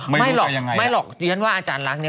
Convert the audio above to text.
ไม่รู้จัยยังไงไม่หรอกอาจารย์รักเนี่ย